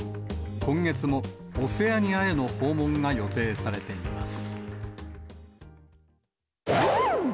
今月もオセアニアへの訪問が予定されています。